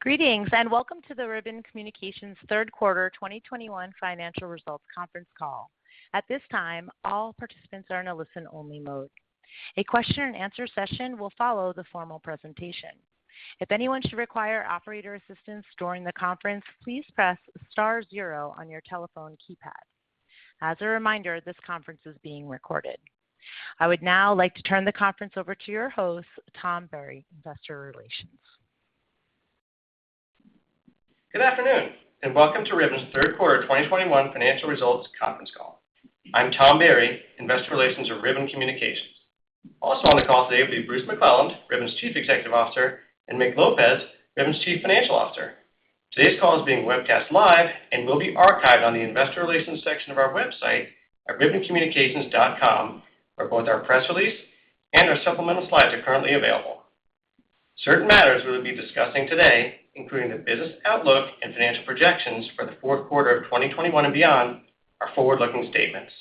Greetings, and welcome to the Ribbon Communications Q3 2021 financial results conference call. At this time, all participants are in a listen-only mode. A question and answer session will follow the formal presentation. If anyone should require operator assistance during the conference, please press star zero on your telephone keypad. As a reminder, this conference is being recorded. I would now like to turn the conference over to your host, Tom Berry, Investor Relations. Good afternoon, and welcome to Ribbon's Q3 2021 financial results conference call. I'm Tom Berry, Investor Relations of Ribbon Communications. Also on the call today will be Bruce McClelland, Ribbon's Chief Executive Officer, and Mick Lopez, Ribbon's Chief Financial Officer. Today's call is being webcast live and will be archived on the investor relations section of our website at ribboncommunications.com, where both our press release and our supplemental slides are currently available. Certain matters we will be discussing today, including the business outlook and financial projections for the Q4 of 2021 and beyond, are forward-looking statements.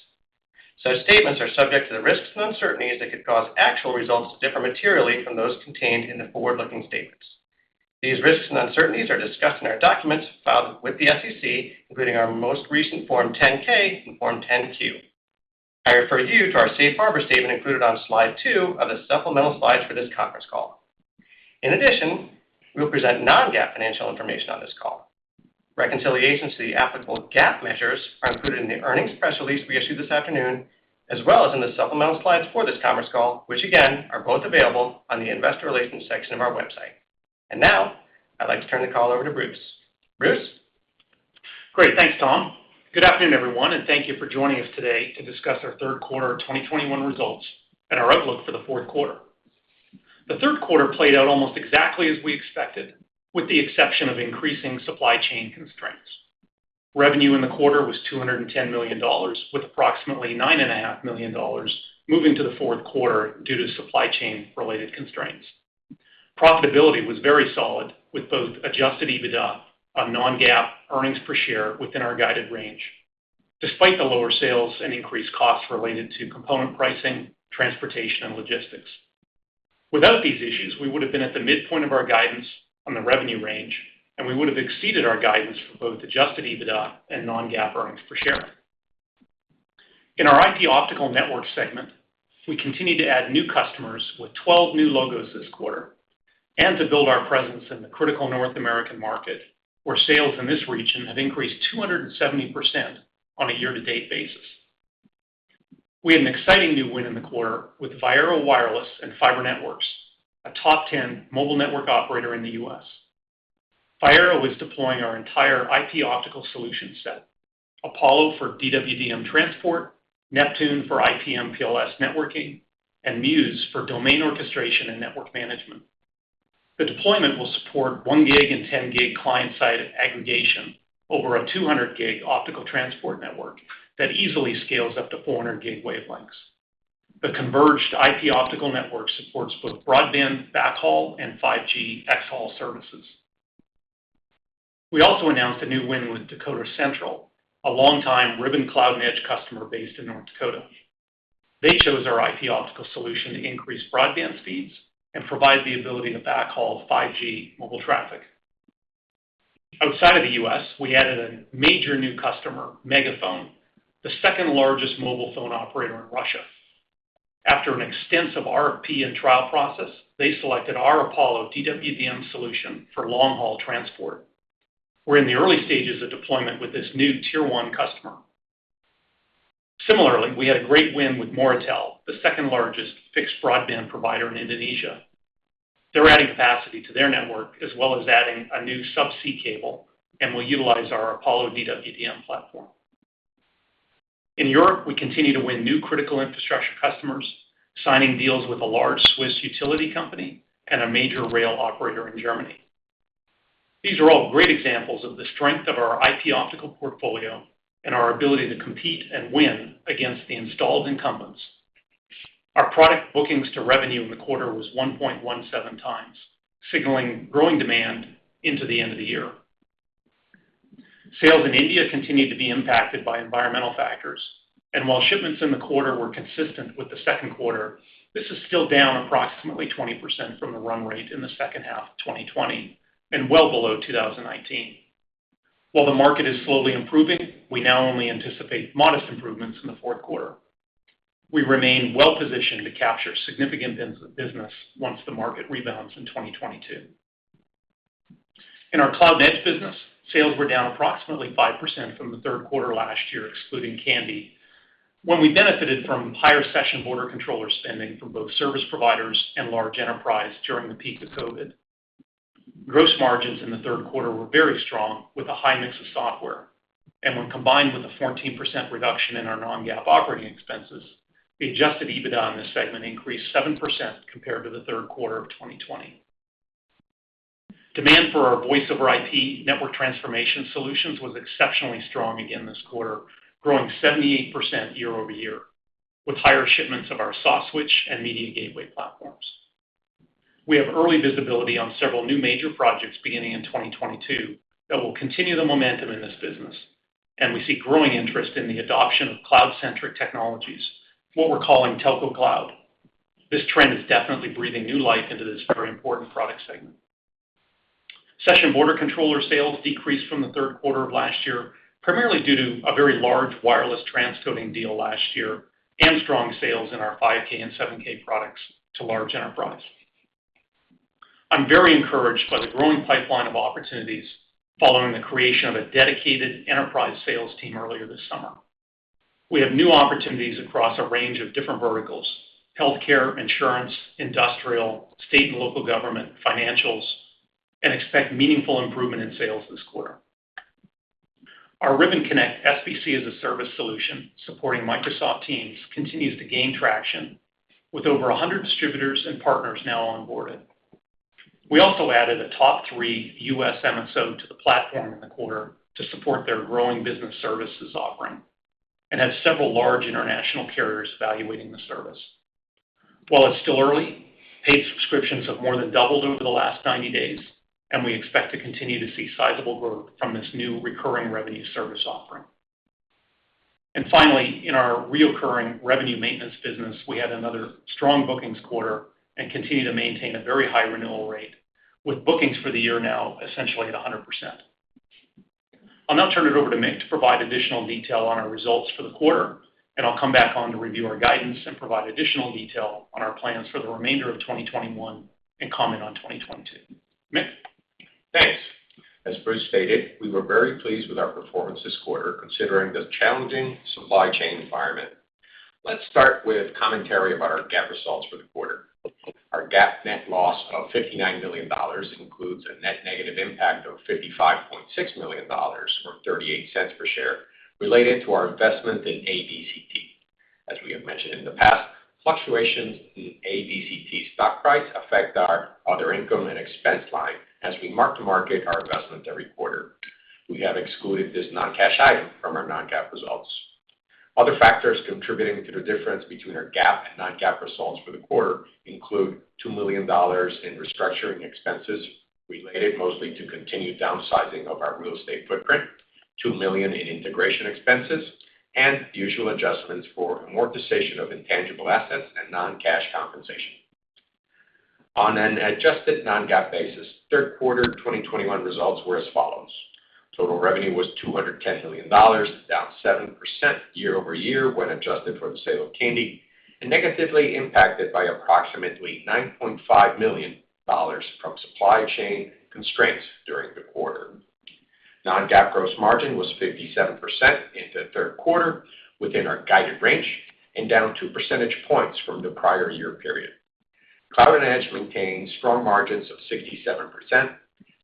Such statements are subject to the risks and uncertainties that could cause actual results to differ materially from those contained in the forward-looking statements. These risks and uncertainties are discussed in our documents filed with the SEC, including our most recent Form 10-K and Form 10-Q. I refer you to our safe harbor statement included on slide two of the supplemental slides for this conference call. In addition, we will present non-GAAP financial information on this call. Reconciliations to the applicable GAAP measures are included in the earnings press release we issued this afternoon, as well as in the supplemental slides for this conference call, which again, are both available on the investor relations section of our website. Now, I'd like to turn the call over to Bruce. Bruce? Great. Thanks, Tom. Good afternoon, everyone, and thank you for joining us today to discuss our Q3 2021 results and our outlook for the Q4. The Q3 played out almost exactly as we expected, with the exception of increasing supply chain constraints. Revenue in the quarter was $210 million, with approximately $9.5 million moving to the Q4 due to supply chain-related constraints. Profitability was very solid, with both adjusted EBITDA and non-GAAP earnings per share within our guided range, despite the lower sales and increased costs related to component pricing, transportation, and logistics. Without these issues, we would have been at the midpoint of our guidance on the revenue range, and we would have exceeded our guidance for both adjusted EBITDA and non-GAAP earnings per share. In our IP Optical Networks segment, we continued to add new customers with 12 new logos this quarter and to build our presence in the critical North American market, where sales in this region have increased 270% on a year-to-date basis. We had an exciting new win in the quarter with Viaero Wireless and Fiber Networks, a top 10 mobile network operator in the U.S. Viaero is deploying our entire IP optical solution set, Apollo for DWDM transport, Neptune for IP/MPLS networking, and Muse for domain orchestration and network management. The deployment will support one gig and 10 gig client-side aggregation over a 200 gig optical transport network that easily scales up to 400 gig wavelengths. The converged IP optical network supports both broadband backhaul and 5G xHaul services. We also announced a new win with Dakota Central, a long-time Ribbon Cloud & Edge customer based in North Dakota. They chose our IP optical solution to increase broadband speeds and provide the ability to backhaul 5G mobile traffic. Outside of the U.S., we added a major new customer, MegaFon, the second-largest mobile phone operator in Russia. After an extensive RFP and trial process, they selected our Apollo DWDM solution for long-haul transport. We're in the early stages of deployment with this new tier one customer. Similarly, we had a great win with Moratelindo, the second-largest fixed broadband provider in Indonesia. They're adding capacity to their network, as well as adding a new subsea cable, and will utilize our Apollo DWDM platform. In Europe, we continue to win new critical infrastructure customers, signing deals with a large Swiss utility company and a major rail operator in Germany. These are all great examples of the strength of our IP optical portfolio and our ability to compete and win against the installed incumbents. Our product bookings to revenue in the quarter was 1.17x, signaling growing demand into the end of the year. Sales in India continued to be impacted by environmental factors, and while shipments in the quarter were consistent with the Q2, this is still down approximately 20% from the run rate in the H2 of 2020 and well below 2019. While the market is slowly improving, we now only anticipate modest improvements in the Q4. We remain well-positioned to capture significant business once the market rebounds in 2022. In our Cloud & Edge business, sales were down approximately 5% from the Q3 last year, excluding Kandy, when we benefited from higher Session Border Controller spending from both service providers and large enterprise during the peak of COVID. Gross margins in the Q3 were very strong with a high mix of software, and when combined with a 14% reduction in our non-GAAP operating expenses, the adjusted EBITDA in this segment increased 7% compared to the Q3 of 2020. Demand for our Voice over IP network transformation solutions was exceptionally strong again this quarter, growing 78% year-over-year, with higher shipments of our softswitch and Media Gateway platforms. We have early visibility on several new major projects beginning in 2022 that will continue the momentum in this business, and we see growing interest in the adoption of cloud-centric technologies, what we're calling Telco Cloud. This trend is definitely breathing new life into this very important product segment. Session Border Controller sales decreased from the Q3 of last year, primarily due to a very large wireless transcoding deal last year and strong sales in our 5K and 7K products to large enterprise. I'm very encouraged by the growing pipeline of opportunities following the creation of a dedicated enterprise sales team earlier this summer. We have new opportunities across a range of different verticals, healthcare, insurance, industrial, state and local government, financials, and expect meaningful improvement in sales this quarter. Our Ribbon Connect SBC-as-a-Service solution supporting Microsoft Teams continues to gain traction with over 100 distributors and partners now onboarded. We also added a top three U.S. MSO to the platform in the quarter to support their growing business services offering and have several large international carriers evaluating the service. While it's still early, paid subscriptions have more than doubled over the last 90 days, and we expect to continue to see sizable growth from this new recurring revenue service offering. Finally, in our recurring revenue maintenance business, we had another strong bookings quarter and continue to maintain a very high renewal rate with bookings for the year now essentially at 100%. I'll now turn it over to Mick to provide additional detail on our results for the quarter, and I'll come back on to review our guidance and provide additional detail on our plans for the remainder of 2021 and comment on 2022. Mick? Thanks. As Bruce stated, we were very pleased with our performance this quarter, considering the challenging supply chain environment. Let's start with commentary about our GAAP results for the quarter. Our GAAP net loss of $59 million includes a net negative impact of $55.6 million, or $0.38 per share, related to our investment in ADTRAN. As we have mentioned in the past, fluctuations in ADTRAN stock price affect our other income and expense line as we mark-to-market our investment every quarter. We have excluded this non-cash item from our non-GAAP results. Other factors contributing to the difference between our GAAP and non-GAAP results for the quarter include $2 million in restructuring expenses related mostly to continued downsizing of our real estate footprint, $2 million in integration expenses, and the usual adjustments for amortization of intangible assets and non-cash compensation. On an adjusted non-GAAP basis, Q3 2021 results were as follows: Total revenue was $210 million, down 7% year-over-year when adjusted for the sale of Kandy, and negatively impacted by approximately $9.5 million from supply chain constraints during the quarter. Non-GAAP gross margin was 57% in the Q3 within our guided range and down two percentage points from the prior year period. Cloud & Edge maintains strong margins of 67%.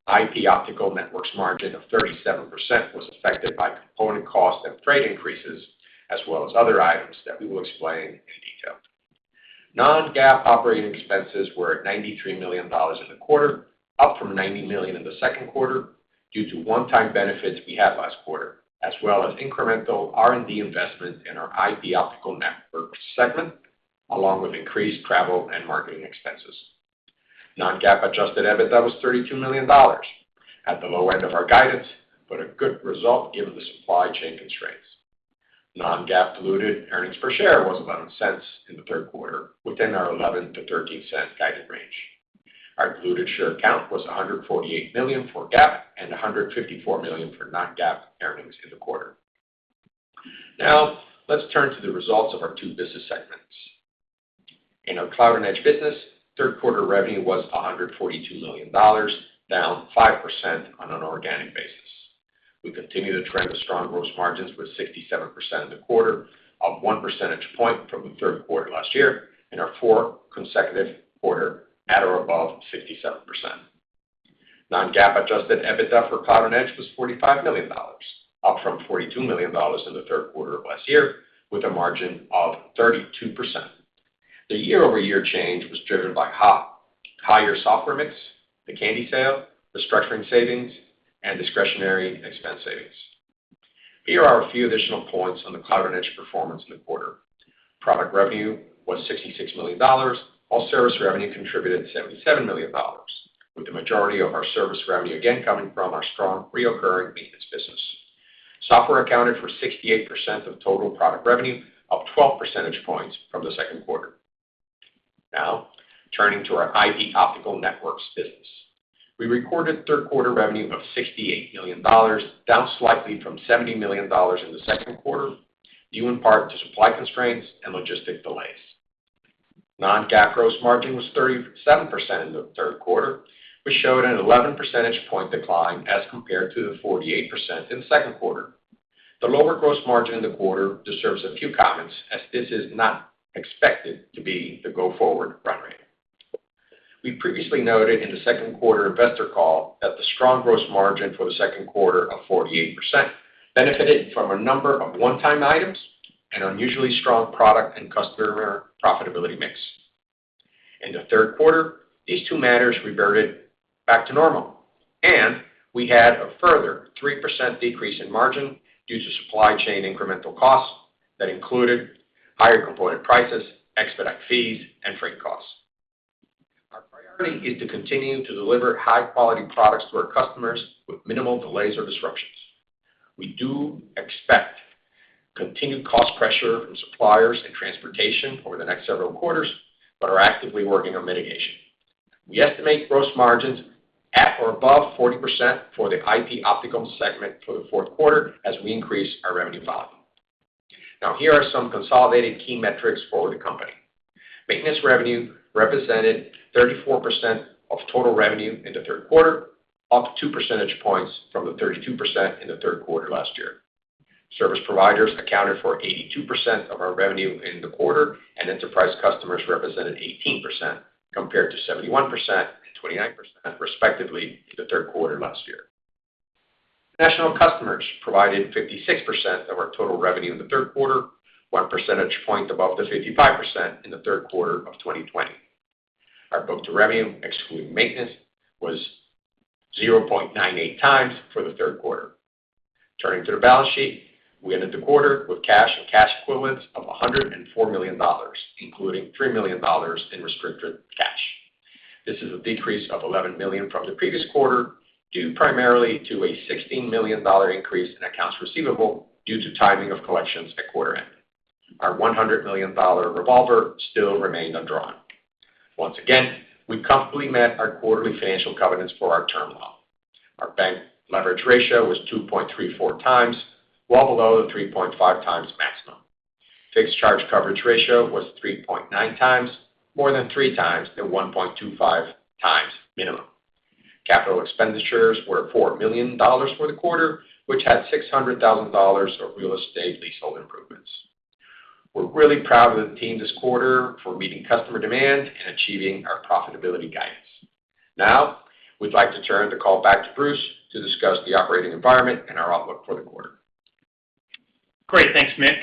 IP Optical Networks margin of 37% was affected by component cost and freight increases, as well as other items that we will explain in detail. Non-GAAP operating expenses were at $93 million in the quarter, up from $90 million in the Q2 due to one-time benefits we had last quarter, as well as incremental R&D investment in our IP Optical Networks segment, along with increased travel and marketing expenses. Non-GAAP adjusted EBITDA was $32 million at the low end of our guidance, but a good result given the supply chain constraints. Non-GAAP diluted earnings per share was $0.11 in the Q3 within our $0.11-$0.13 guided range. Our diluted share count was 148 million for GAAP and 154 million for non-GAAP earnings in the quarter. Now, let's turn to the results of our two business segments. In our Cloud & Edge business, Q3 revenue was $142 million, down 5% on an organic basis. We continue to trend with strong gross margins with 67% in the quarter, up one percentage point from the Q3 last year and our fourth consecutive quarter at or above 67%. Non-GAAP adjusted EBITDA for Cloud & Edge was $45 million, up from $42 million in the Q3 of last year with a margin of 32%. The year-over-year change was driven by higher software mix, the Kandy sale, restructuring savings, and discretionary expense savings. Here are a few additional points on the Cloud & Edge performance in the quarter. Product revenue was $66 million, while service revenue contributed $77 million, with the majority of our service revenue again coming from our strong recurring maintenance business. Software accounted for 68% of total product revenue, up 12 percentage points from the Q2. Now, turning to our IP Optical Networks business. We recorded Q3 revenue of $68 million, down slightly from $70 million in the Q2, due in part to supply constraints and logistics delays. Non-GAAP gross margin was 37% in the Q3, which showed an 11 percentage point decline as compared to the 48% in the Q2. The lower gross margin in the quarter deserves a few comments as this is not expected to be the go-forward run rate. We previously noted in the Q2 investor call that the strong gross margin for the Q2 of 48% benefited from a number of one-time items and unusually strong product and customer profitability mix. In the Q3, these two matters reverted back to normal, and we had a further 3% decrease in margin due to supply chain incremental costs that included higher component prices, expedite fees, and freight costs. Our priority is to continue to deliver high-quality products to our customers with minimal delays or disruptions. We do expect continued cost pressure from suppliers and transportation over the next several quarters, but are actively working on mitigation. We estimate gross margins at or above 40% for the IP Optical segment for the Q4 as we increase our revenue volume. Now, here are some consolidated key metrics for the company. Maintenance revenue represented 34% of total revenue in the Q3, up two percentage points from the 32% in the Q3 last year. Service providers accounted for 82% of our revenue in the quarter, and enterprise customers represented 18%, compared to 71% and 29%, respectively, in the Q3 last year. National customers provided 56% of our total revenue in the Q3, one percentage point above the 55% in the Q3 of 2020. Our book-to-revenue, excluding maintenance, was 0.98x for the Q3. Turning to the balance sheet, we ended the quarter with cash and cash equivalents of $104 million, including $3 million in restricted cash. This is a decrease of $11 million from the previous quarter, due primarily to a $16 million increase in accounts receivable due to timing of collections at quarter end. Our $100 million revolver still remained undrawn. Once again, we comfortably met our quarterly financial covenants for our term loan. Our bank leverage ratio was 2.34x, well below the 3.5x maximum. Fixed charge coverage ratio was 3.9x, more than 3x the 1.25x minimum. Capital expenditures were $4 million for the quarter, which had $600,000 of real estate leasehold improvements. We're really proud of the team this quarter for meeting customer demand and achieving our profitability guidance. Now, we'd like to turn the call back to Bruce to discuss the operating environment and our outlook for the quarter. Great. Thanks, Mick.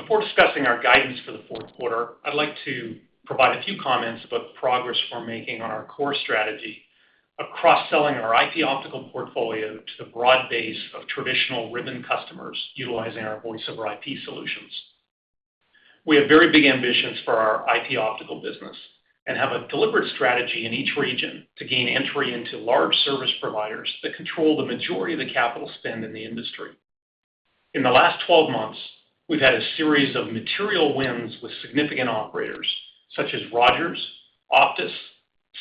Before discussing our guidance for the Q4, I'd like to provide a few comments about the progress we're making on our core strategy of cross-selling our IP optical portfolio to the broad base of traditional Ribbon customers utilizing our Voice over IP solutions. We have very big ambitions for our IP optical business and have a deliberate strategy in each region to gain entry into large service providers that control the majority of the capital spend in the industry. In the last 12 months, we've had a series of material wins with significant operators such as Rogers, Optus,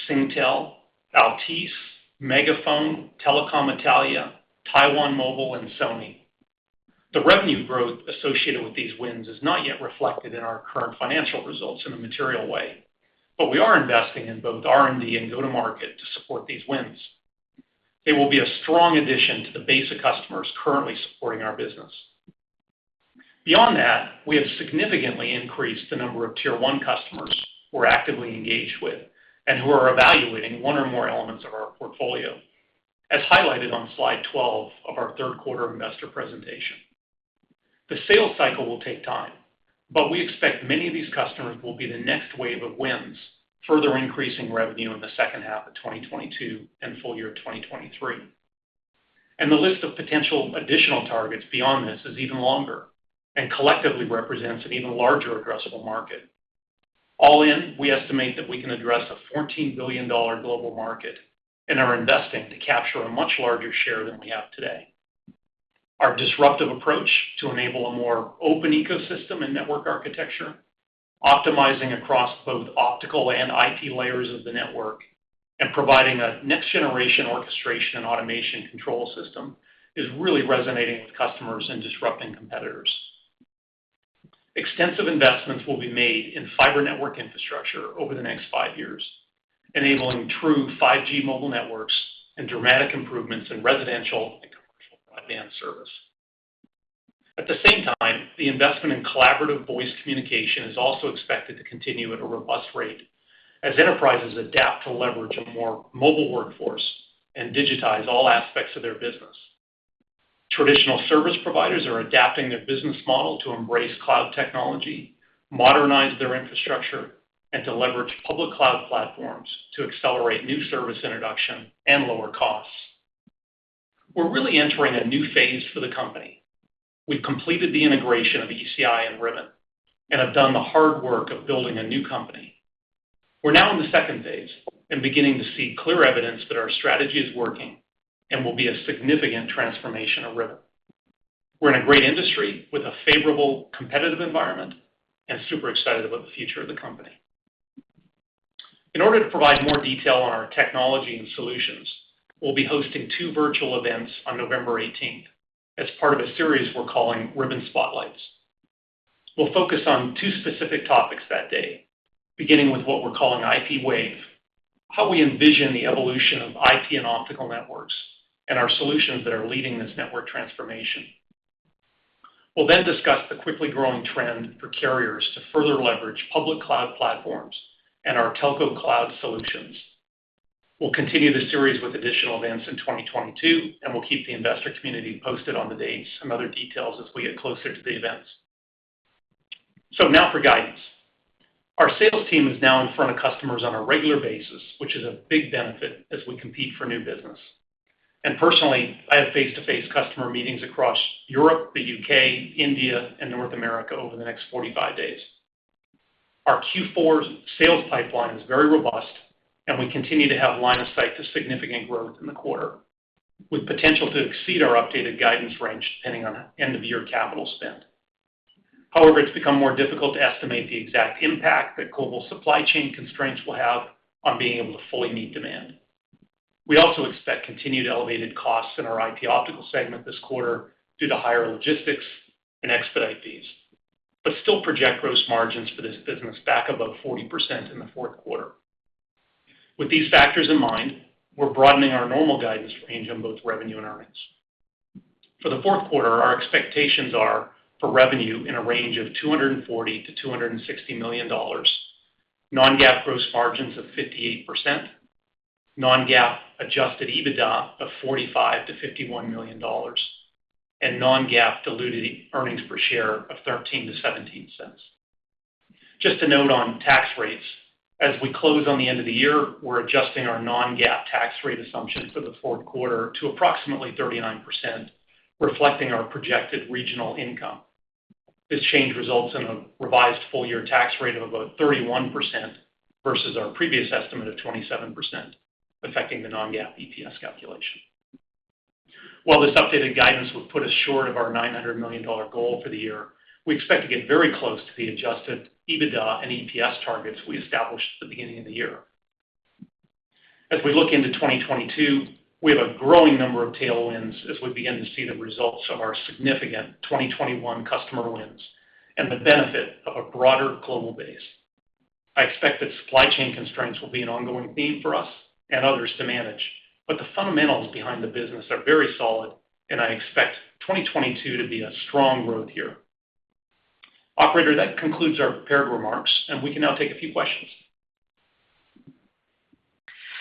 Singtel, Altice, MegaFon, Telecom Italia, Taiwan Mobile, and Sony. The revenue growth associated with these wins is not yet reflected in our current financial results in a material way, but we are investing in both R&D and go-to-market to support these wins. It will be a strong addition to the base of customers currently supporting our business. Beyond that, we have significantly increased the number of tier one customers we're actively engaged with and who are evaluating one or more elements of our portfolio, as highlighted on slide 12 of our Q3 investor presentation. The sales cycle will take time, but we expect many of these customers will be the next wave of wins, further increasing revenue in the H2 of 2022 and full year 2023. The list of potential additional targets beyond this is even longer and collectively represents an even larger addressable market. All in, we estimate that we can address a $14 billion global market and are investing to capture a much larger share than we have today. Our disruptive approach to enable a more open ecosystem and network architecture, optimizing across both optical and IT layers of the network, and providing a next-generation orchestration and automation control system is really resonating with customers and disrupting competitors. Extensive investments will be made in fiber network infrastructure over the next five years, enabling true 5G mobile networks and dramatic improvements in residential and commercial broadband service. At the same time, the investment in collaborative voice communication is also expected to continue at a robust rate as enterprises adapt to leverage a more mobile workforce and digitize all aspects of their business. Traditional service providers are adapting their business model to embrace cloud technology, modernize their infrastructure, and to leverage public cloud platforms to accelerate new service introduction and lower costs. We're really entering a new phase for the company. We've completed the integration of ECI and Ribbon and have done the hard work of building a new company. We're now in the second phase and beginning to see clear evidence that our strategy is working and will be a significant transformation of Ribbon. We're in a great industry with a favorable competitive environment and super excited about the future of the company. In order to provide more detail on our technology and solutions, we'll be hosting two virtual events on November eighteenth as part of a series we're calling Ribbon Spotlights. We'll focus on two specific topics that day, beginning with what we're calling IP Wave, how we envision the evolution of IP and optical networks, and our solutions that are leading this network transformation. We'll then discuss the quickly growing trend for carriers to further leverage public cloud platforms and our Telco Cloud solutions. We'll continue the series with additional events in 2022, and we'll keep the investor community posted on the dates and other details as we get closer to the events. Now for guidance. Our sales team is now in front of customers on a regular basis, which is a big benefit as we compete for new business. Personally, I have face-to-face customer meetings across Europe, the U.K., India, and North America over the next 45 days. Our Q4's sales pipeline is very robust, and we continue to have line of sight to significant growth in the quarter, with potential to exceed our updated guidance range depending on end-of-year capital spend. However, it's become more difficult to estimate the exact impact that global supply chain constraints will have on being able to fully meet demand. We also expect continued elevated costs in our IP optical segment this quarter due to higher logistics and expedite fees, but still project gross margins for this business back above 40% in the Q4. With these factors in mind, we're broadening our normal guidance range on both revenue and earnings. For the Q4, our expectations are for revenue in a range of $240 million-$260 million, non-GAAP gross margins of 58%, non-GAAP adjusted EBITDA of $45 million-$51 million, and non-GAAP diluted earnings per share of $0.13-$0.17. Just a note on tax rates. As we close on the end of the year, we're adjusting our non-GAAP tax rate assumptions for the Q4 to approximately 39%, reflecting our projected regional income. This change results in a revised full-year tax rate of about 31% versus our previous estimate of 27%, affecting the non-GAAP EPS calculation. While this updated guidance will put us short of our $900 million goal for the year, we expect to get very close to the adjusted EBITDA and EPS targets we established at the beginning of the year. As we look into 2022, we have a growing number of tailwinds as we begin to see the results of our significant 2021 customer wins and the benefit of a broader global base. I expect that supply chain constraints will be an ongoing theme for us and others to manage, but the fundamentals behind the business are very solid, and I expect 2022 to be a strong growth year. Operator, that concludes our prepared remarks, and we can now take a few questions.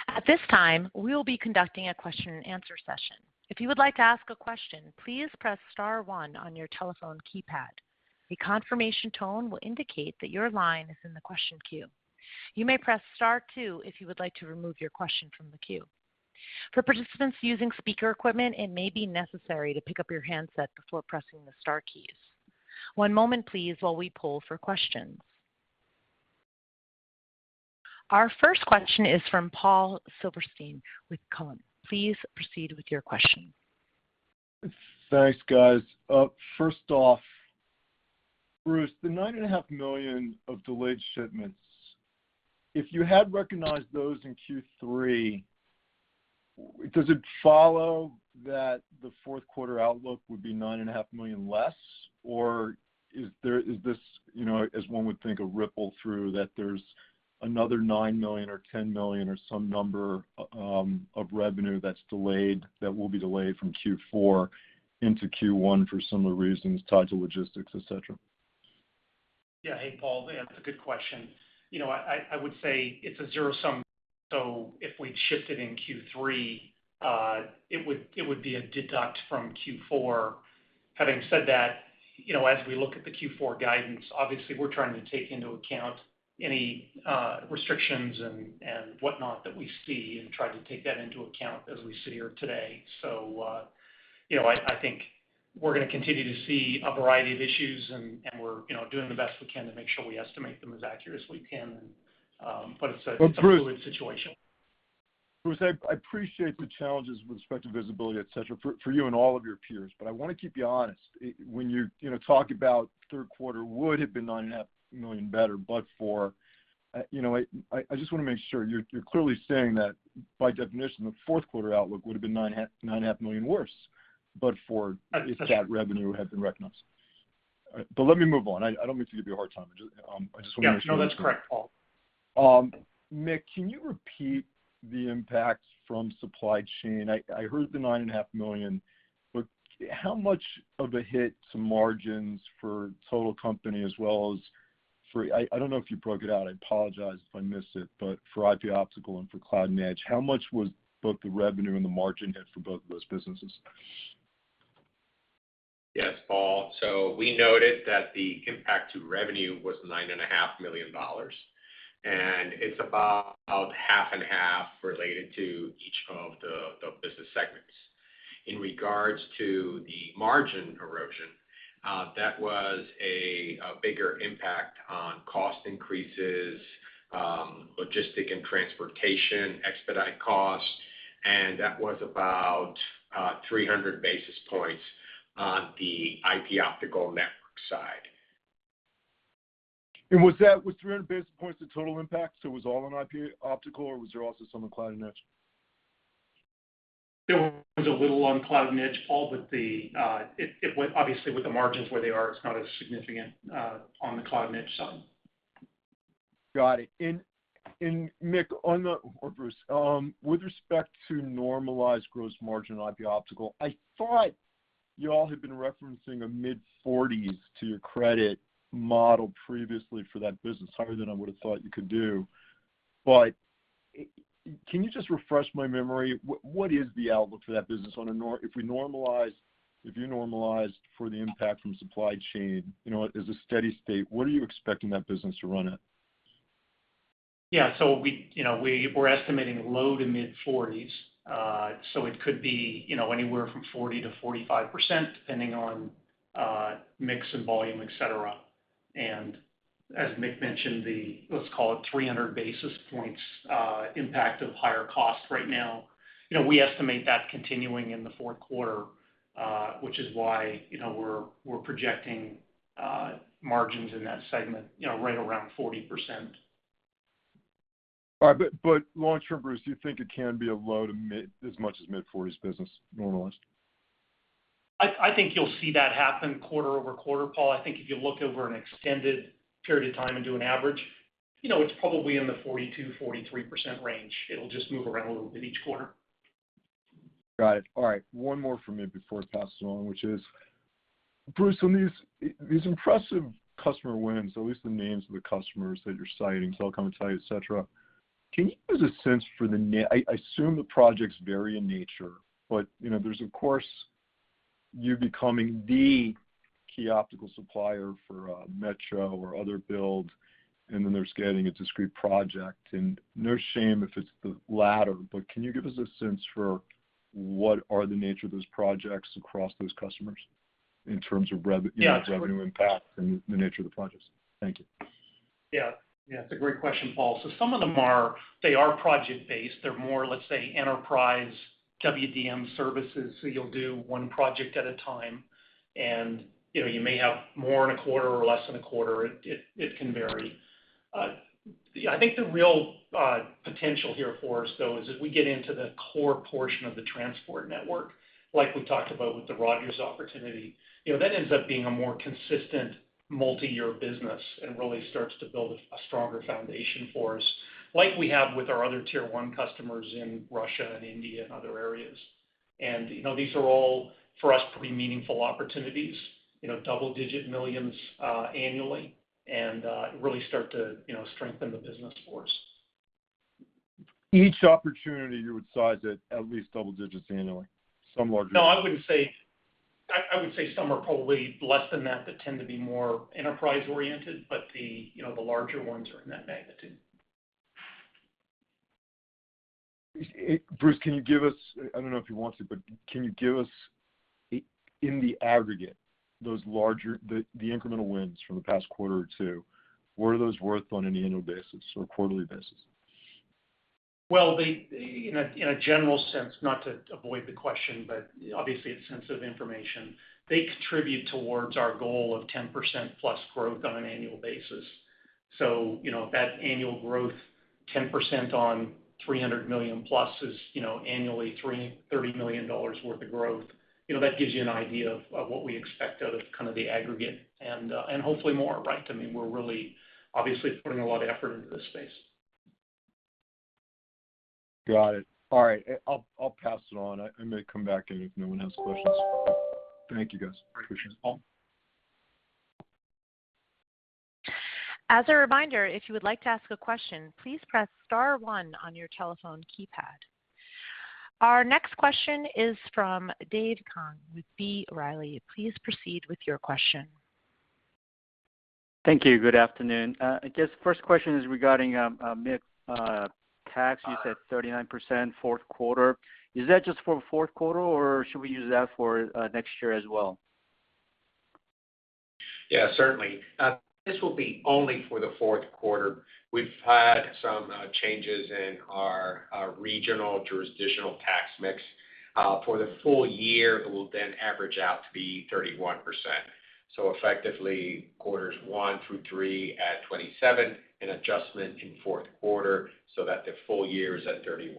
At this time, we will be conducting a question-and-answer session. If you would like to ask a question, please press star one on your telephone keypad. A confirmation tone will indicate that your line is in the question queue. You may press star two if you would like to remove your question from the queue. For participants using speaker equipment, it may be necessary to pick up your handset before pressing the star keys. One moment please while we poll for questions. Our first question is from Paul Silverstein with Cowen. Please proceed with your question. Thanks, guys. First off, Bruce, the $9.5 million of delayed shipments, if you had recognized those in Q3, does it follow that the Q4 outlook would be $9.5 million less? Or is there, is this, you know, as one would think, a ripple through that there's another $9 million or $10 million or some number of revenue that's delayed, that will be delayed from Q4 into Q1 for similar reasons tied to logistics, et cetera? Yeah. Hey, Paul. That's a good question. You know, I would say it's a zero sum. If we'd shifted in Q3, it would be a deduct from Q4. Having said that, you know, as we look at the Q4 guidance, obviously, we're trying to take into account any restrictions and whatnot that we see and try to take that into account as we sit here today. You know, I think we're going to continue to see a variety of issues, and we're doing the best we can to make sure we estimate them as accurately as we can. But it's a- Bruce. Fluid situation. Bruce, I appreciate the challenges with respect to visibility, et cetera, for you and all of your peers. I want to keep you honest. When you know talk about Q3 would have been $9.5 million better, but for, you know, I just want to make sure. You're clearly saying that by definition, the Q4 outlook would have been $9.5 million worse, but for, if that revenue had been recognized. Let me move on. I don't mean to give you a hard time. I just want to make sure I understand. Yeah. No, that's correct, Paul. Mick, can you repeat the impact from supply chain? I heard the $9.5 million, but how much of a hit to margins for total company as well as for, I don't know if you broke it out. I apologize if I missed it, but for IP Optical and for Cloud & Edge, how much was both the revenue and the margin hit for both of those businesses? Yes, Paul. We noted that the impact to revenue was $9.5 million, and it's about half and half related to each of the business segments. In regards to the margin erosion, that was a bigger impact on cost increases, logistics and transportation, expedite costs, and that was about 300 basis points on the IP Optical Networks side. Was that 300 basis points the total impact? It was all on IP Optical, or was there also some on Cloud & Edge? There was a little on Cloud & Edge, Paul, but it went, obviously, with the margins where they are, it's not as significant on the Cloud & Edge side. Got it. Mick or Bruce, with respect to normalized gross margin IP optical, I thought you all had been referencing a mid-40s% to your credit model previously for that business, higher than I would have thought you could do. Can you just refresh my memory? What is the outlook for that business if we normalize, if you normalized for the impact from supply chain, you know, as a steady state, what are you expecting that business to run at? We're estimating low to mid-40s%. It could be anywhere from 40%-45% depending on mix and volume, et cetera. As Mick mentioned, let's call it 300 basis points impact of higher costs right now. You know, we estimate that continuing in the Q4, which is why, you know, we're projecting margins in that segment, you know, right around 40%. All right. Long term, Bruce, do you think it can be low to mid-40s, as much as mid-40s business normalized? I think you'll see that happen quarter-over-quarter, Paul. I think if you look over an extended period of time and do an average, you know, it's probably in the 42%-43% range. It'll just move around a little bit each quarter. Got it. All right. One more from me before I pass it on, which is, Bruce, on these impressive customer wins, at least the names of the customers that you're citing, Telecom Italia, et cetera, can you give us a sense for the nature? I assume the projects vary in nature, but, you know, there's of course you becoming the key optical supplier for metro or other build, and then there's getting a discrete project, and no shame if it's the latter, but can you give us a sense for what are the nature of those projects across those customers in terms of revenue. Yeah, sure. You know, revenue impact and the nature of the projects? Thank you. Yeah. Yeah, it's a great question, Paul. Some of them are project-based. They're more, let's say, enterprise WDM services. You'll do one project at a time, and, you know, you may have more in a quarter or less in a quarter. It can vary. Yeah, I think the real potential here for us, though, is if we get into the core portion of the transport network, like we talked about with the Rogers opportunity. You know, that ends up being a more consistent multi-year business and really starts to build a stronger foundation for us, like we have with our other tier one customers in Russia and India and other areas. You know, these are all, for us, pretty meaningful opportunities. You know, double-digit millions annually, and really start to, you know, strengthen the business for us. Each opportunity you would size at least double digits annually, some larger. No, I wouldn't say. I would say some are probably less than that tend to be more enterprise-oriented, but the, you know, the larger ones are in that magnitude. Bruce, can you give us, I don't know if you want to, but can you give us in the aggregate, those larger, the incremental wins from the past quarter or two, what are those worth on an annual basis or quarterly basis? Well, they in a general sense, not to avoid the question, but obviously it's sensitive information. They contribute towards our goal of 10%+ growth on an annual basis. You know, that annual growth, 10% on 300 million+ is, you know, annually $30 million worth of growth. You know, that gives you an idea of what we expect out of kind of the aggregate and hopefully more, right? I mean, we're really obviously putting a lot of effort into this space. Got it. All right. I'll pass it on. I may come back if no one has questions. Thank you, guys. Appreciate it. Thanks, Paul. As a reminder, if you would like to ask a question, please press star one on your telephone keypad. Our next question is from Dave Kang with B. Riley. Please proceed with your question. Thank you. Good afternoon. I guess first question is regarding Mick, tax. You said 39% Q4. Is that just for Q4, or should we use that for next year as well? Yeah, certainly. This will be only for the Q4. We've had some changes in our regional jurisdictional tax mix. For the full year, it will then average out to be 31%. Effectively, quarters one through three at 27%, an adjustment in Q4 so that the full-year is at 31%.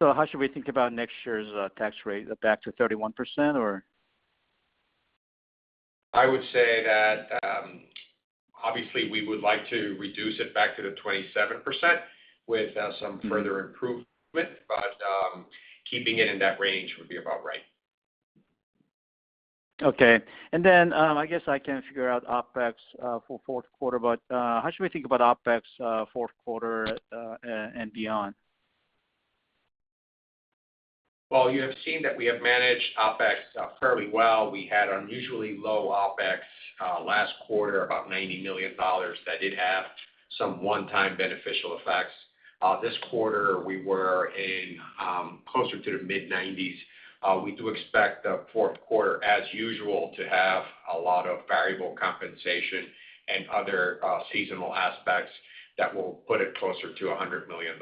How should we think about next year's tax rate? Back to 31% or? I would say that, obviously, we would like to reduce it back to the 27% with some further improvement, but keeping it in that range would be about right. Okay. I guess I can figure out OpEx for Q4, but how should we think about OpEx Q4 and beyond? Well, you have seen that we have managed OpEx fairly well. We had unusually low OpEx last quarter, about $90 million that did have some one-time beneficial effects. This quarter, we were in closer to the mid-90s. We do expect the Q4 as usual to have a lot of variable compensation and other seasonal aspects that will put it closer to $100 million.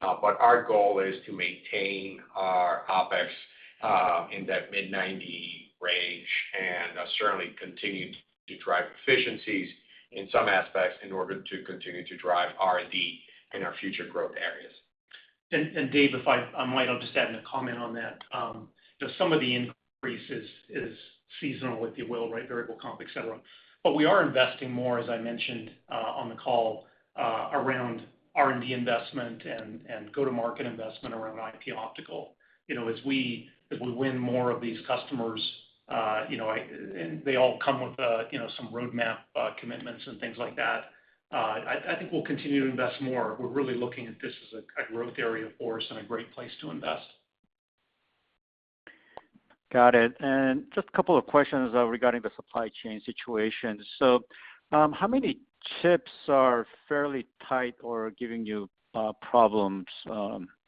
Our goal is to maintain our OpEx in that mid-90 range and certainly continue to drive efficiencies in some aspects in order to continue to drive R&D in our future growth areas. Dave, if I might hope to add in a comment on that. You know, some of the increase is seasonal, if you will, right, variable comp, et cetera. But we are investing more, as I mentioned, on the call, around R&D investment and go-to-market investment around IP optical. You know, as we win more of these customers, you know, and they all come with, you know, some roadmap, commitments and things like that, I think we'll continue to invest more. We're really looking at this as a growth area for us and a great place to invest. Got it. Just a couple of questions regarding the supply chain situation. How many chips are fairly tight or giving you problems?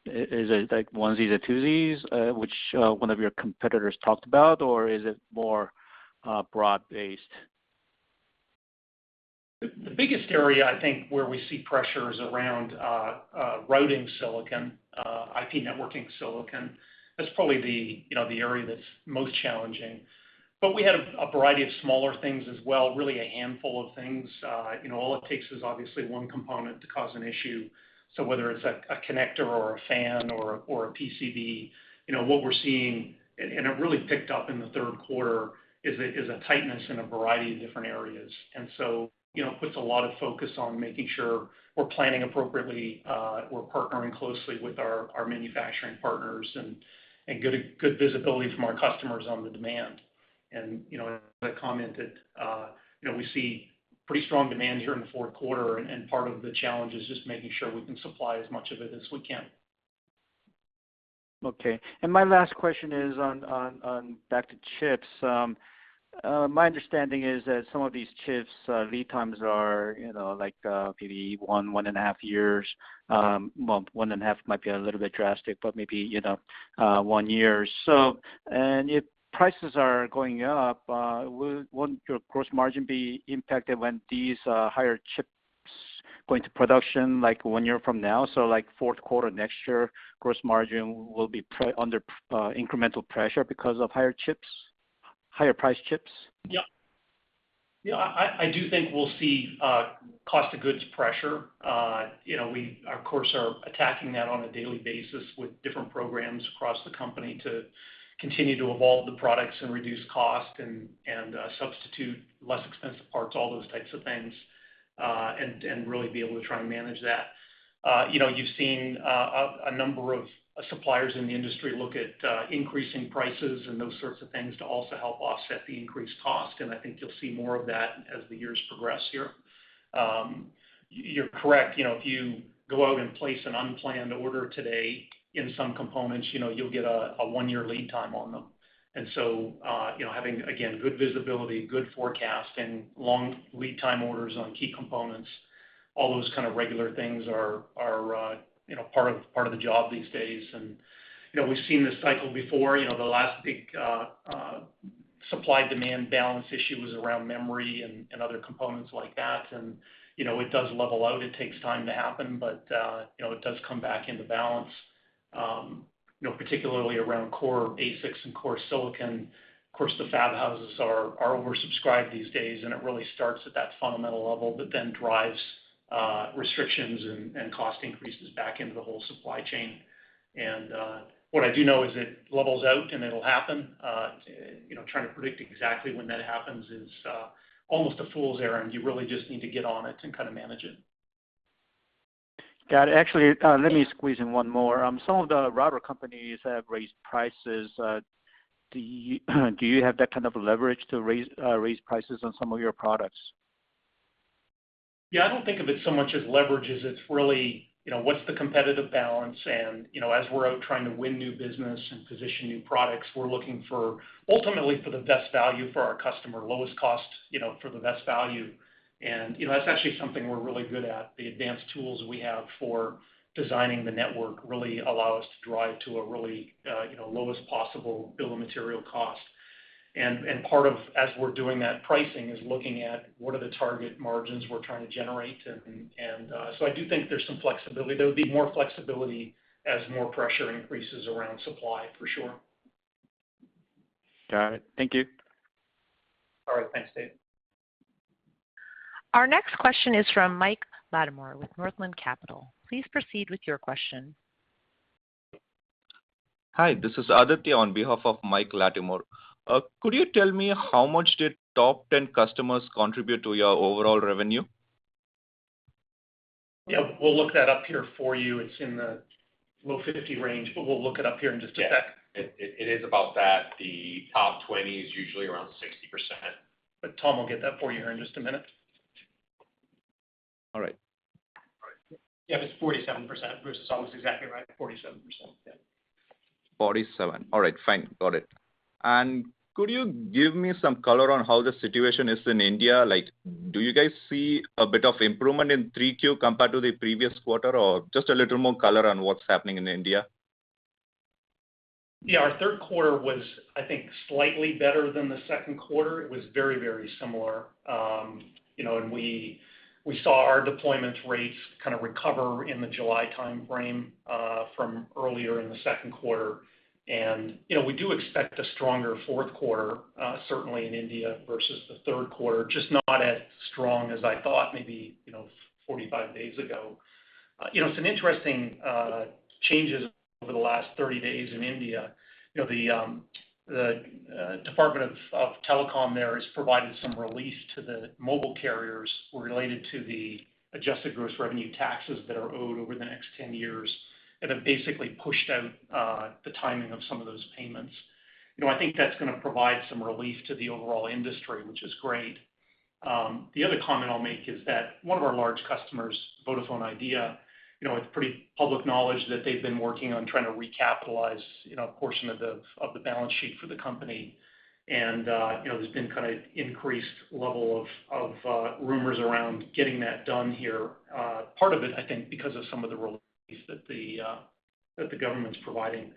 Is it like onesies or twosies, which one of your competitors talked about, or is it more broad-based? The biggest area I think where we see pressure is around routing silicon, IP networking silicon. That's probably the you know the area that's most challenging. But we had a variety of smaller things as well, really a handful of things. You know, all it takes is obviously one component to cause an issue. So whether it's a connector or a fan or a PCB, you know, what we're seeing, and it really picked up in the Q3, is a tightness in a variety of different areas. You know, it puts a lot of focus on making sure we're planning appropriately, we're partnering closely with our manufacturing partners and good visibility from our customers on the demand. You know, as I commented, you know, we see pretty strong demand here in the Q4, and part of the challenge is just making sure we can supply as much of it as we can. Okay. My last question is on back to chips. My understanding is that some of these chips lead times are, you know, like, maybe 1.5 years. Well, 1.5 might be a little bit drastic, but maybe, you know, one year. If prices are going up, won't your gross margin be impacted when these higher chips go into production like one year from now? Like Q4 next year, gross margin will be under incremental pressure because of higher chips, higher priced chips? I do think we'll see cost of goods pressure. We of course are attacking that on a daily basis with different programs across the company to continue to evolve the products and reduce cost and substitute less expensive parts, all those types of things, and really be able to try and manage that. You've seen a number of suppliers in the industry look at increasing prices and those sorts of things to also help offset the increased cost. I think you'll see more of that as the years progress here. You're correct. If you go out and place an unplanned order today in some components, you'll get a one-year lead time on them. Having, again, good visibility, good forecast and long lead time orders on key components, all those kind of regular things are you know, part of the job these days. You know, we've seen this cycle before. You know, the last big supply-demand balance issue was around memory and other components like that. You know, it does level out. It takes time to happen, but you know, it does come back into balance. You know, particularly around core ASICs and core silicon, of course, the fab houses are oversubscribed these days, and it really starts at that fundamental level, but then drives restrictions and cost increases back into the whole supply chain. What I do know is it levels out, and it'll happen. You know, trying to predict exactly when that happens is almost a fool's errand. You really just need to get on it and kind of manage it. Got it. Actually, let me squeeze in one more. Some of the router companies have raised prices. Do you have that kind of leverage to raise prices on some of your products? Yeah, I don't think of it so much as leverage as it's really, you know, what's the competitive balance and, you know, as we're out trying to win new business and position new products, we're looking for ultimately for the best value for our customer, lowest cost, you know, for the best value. You know, that's actually something we're really good at. The advanced tools we have for designing the network really allow us to drive to a really, you know, lowest possible bill of material cost. I do think there's some flexibility. There would be more flexibility as more pressure increases around supply for sure. Got it. Thank you. All right. Thanks, Dave. Our next question is from Michael Latimore with Northland Capital. Please proceed with your question. Hi, this is Aditya on behalf of Michael Latimore. Could you tell me how much did top 10 customers contribute to your overall revenue? Yeah, we'll look that up here for you. It's in the low 50s range, but we'll look it up here in just a sec. Yeah. It is about that. The top 20 is usually around 60%. Tom will get that for you here in just a minute. All right. Yeah, it's 47%. Bruce is almost exactly right, 47%. Yeah. 47%. All right, fine. Got it. Could you give me some color on how the situation is in India? Like, do you guys see a bit of improvement in 3Q compared to the previous quarter, or just a little more color on what's happening in India? Yeah, our Q3 was, I think, slightly better than the Q2. It was very, very similar. You know, we saw our deployment rates kind of recover in the July timeframe from earlier in the Q2. You know, we do expect a stronger Q4 certainly in India versus the Q3. Just not as strong as I thought maybe, you know, 45 days ago. You know, some interesting changes over the last 30 days in India. You know, the Department of Telecom there has provided some relief to the mobile carriers related to the Adjusted Gross Revenue taxes that are owed over the next 10 years that have basically pushed out the timing of some of those payments. You know, I think that's gonna provide some relief to the overall industry, which is great. The other comment I'll make is that one of our large customers, Vodafone Idea, you know, it's pretty public knowledge that they've been working on trying to recapitalize, you know, a portion of the balance sheet for the company. You know, there's been kind of increased level of rumors around getting that done here. Part of it, I think, because of some of the relief that the government's providing.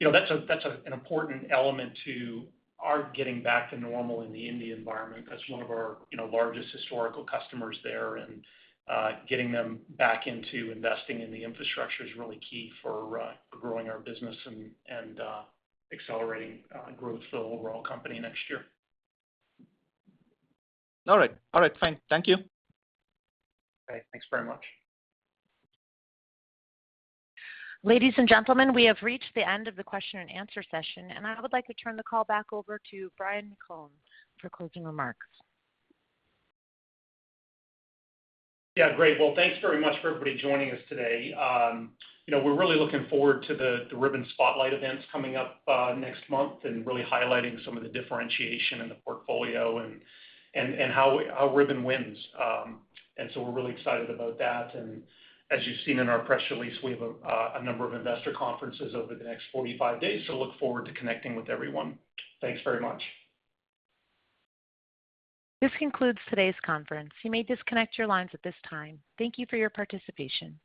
You know, that's an important element to our getting back to normal in the India environment, 'cause one of our, you know, largest historical customers there and getting them back into investing in the infrastructure is really key for growing our business and accelerating growth for the overall company next year. All right. All right, fine. Thank you. Okay. Thanks very much. Ladies and gentlemen, we have reached the end of the question-and-answer session, and I would like to turn the call back over to Bruce McClelland for closing remarks. Yeah, great. Well, thanks very much for everybody joining us today. You know, we're really looking forward to the Ribbon Spotlights events coming up next month and really highlighting some of the differentiation in the portfolio and how Ribbon wins. We're really excited about that. As you've seen in our press release, we have a number of investor conferences over the next 45 days, so we look forward to connecting with everyone. Thanks very much. This concludes today's conference. You may disconnect your lines at this time. Thank you for your participation.